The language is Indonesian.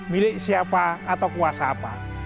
milik siapa atau kuasa apa